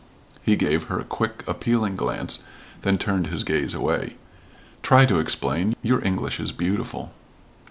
He gave her a quick, appealing glance, then turned his gaze away. "Try to explain. Your English is beautiful."